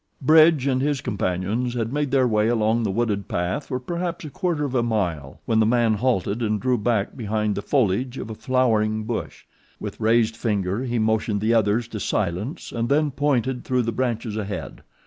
Bridge and his companions had made their way along the wooded path for perhaps a quarter of a mile when the man halted and drew back behind the foliage of a flowering bush. With raised finger he motioned the others to silence and then pointed through the branches ahead.